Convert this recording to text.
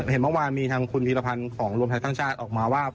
เห็นเมื่อวานมีทางคุณธีรภัณฑ์ของรวมชาติท่านชาติออกมาว่า